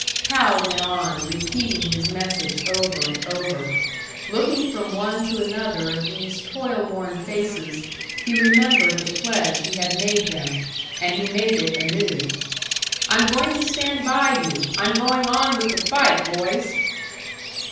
Hal went on, repeating his message over and over. Looking from one to another of these toil worn faces, he remembered the pledge he had made them, and he made it anew: "I'm going to stand by you! I'm going on with the fight, boys!"